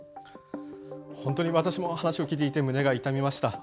本当に私も話を聞いていて胸が痛みました。